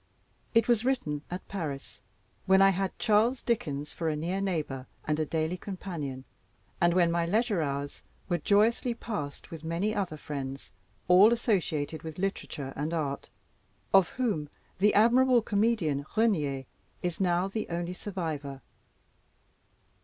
It was written at Paris, when I had Charles Dickens for a near neighbor and a daily companion, and when my leisure hours were joyously passed with many other friends, all associated with literature and art, of whom the admirable comedian, Regnier, is now the only survivor.